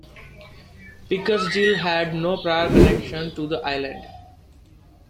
Pickersgill had no prior connection to the island.